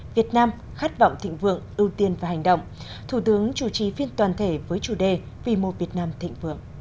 việt nam khát vọng thịnh vượng ưu tiên và hành động thủ tướng chủ trì phiên toàn thể với chủ đề vì một việt nam thịnh vượng